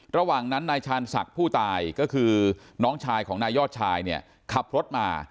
ระหว่างนั้นนายชาญศักดิ์ผู้ตายก็คือน้องชายของนายยอดชายเนี่ยขับรถมา